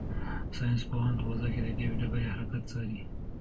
ساینس پوهان په فضا کې د دې ډبرې حرکت څاري.